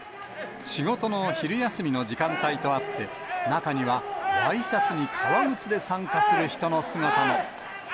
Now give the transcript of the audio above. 仕事の昼休みの時間帯とあって、中にはワイシャツに革靴で参加する人の姿も。